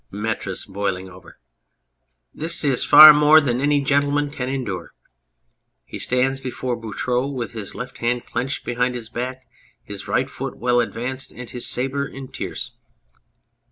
METRIS (boiling over). This is far more than any gentleman can endure ! (He stands before BOUTROUX with his left hand clenched behind his back, his right foot well advanced, and his sabre in tierce.)